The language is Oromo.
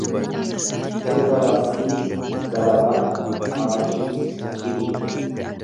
Cibra barsii, galabaa, habaqii, cidii